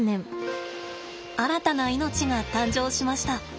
新たな命が誕生しました。